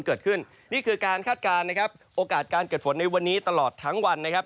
นี่คือการคาดการณ์นะครับโอกาสการเกิดฝนในวันนี้ตลอดทั้งวันนะครับ